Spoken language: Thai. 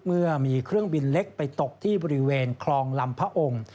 เมื่อมีเครื่องบินเล็กไปตกที่บริเวณคลองลำพระองค์